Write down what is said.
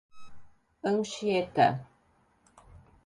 Anchieta